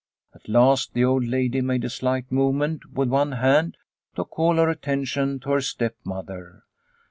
At last the old lady made a slight 234 Liliecrona's Home movement with one hand to call her attention to her stepmother.